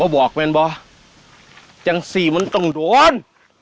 บอกมั้นไหมจังสีมันต้องโดน